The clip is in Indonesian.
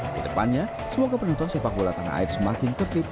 di depannya semoga penonton sepak bola tanah air semakin tertip